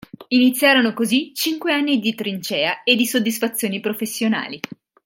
Iniziarono così cinque anni di trincea e di soddisfazioni professionali.